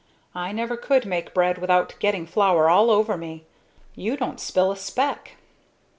"I never could make bread without getting flour all over me. You don't spill a speck!"